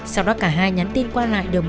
sau đó cả hai nhắn tin qua lại đều một năm